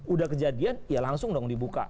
udah kejadian ya langsung dong dibuka